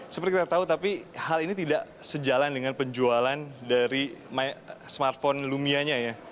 seperti kita tahu tapi hal ini tidak sejalan dengan penjualan dari smartphone lumianya ya